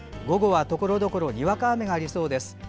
午後は、ところどころにわか雨がありそうです。